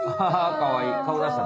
かわいい！